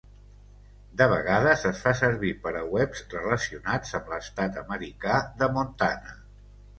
De vegades es fa servir per a webs relacionats amb l'estat americà de Montana.